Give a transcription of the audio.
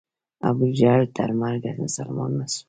ابو جهل تر مرګه مسلمان نه سو.